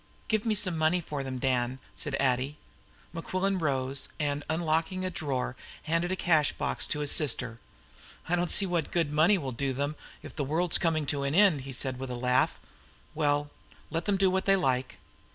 "Give me some money for them, Dan," said Addie. Mequillen rose, and, unlocking a drawer, handed a cash box to his sister. "I don't see what good money can do them if the world's coming to an end," he said, with a laugh. "Well, let them do what they like."